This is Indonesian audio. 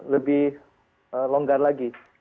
lebih longgar lagi